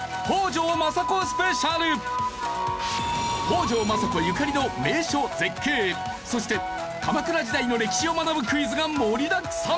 北条政子ゆかりの名所絶景そして鎌倉時代の歴史を学ぶクイズが盛りだくさん！